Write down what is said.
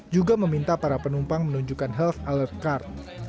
juga meminta para penumpang menunjukkan health alert card